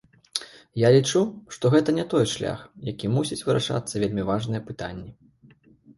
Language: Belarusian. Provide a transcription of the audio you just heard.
Я лічу, што гэта не той шлях, якім мусяць вырашацца вельмі важныя пытанні.